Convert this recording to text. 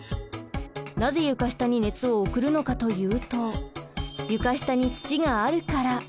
なぜ床下に熱を送るのかというと床下に土があるから！